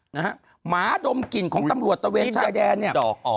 หมาดมกลิ่นของตำรวจตะเวนชายแดนเนี่ย